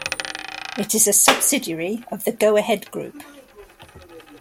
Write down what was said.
It is a subsidiary of the Go-Ahead Group.